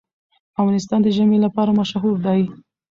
افغانستان د ژمی لپاره مشهور دی.